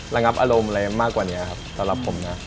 ระงับอารมณ์อะไรมากกว่านี้ครับสำหรับผมนะ